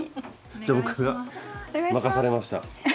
じゃあ僕が任されました。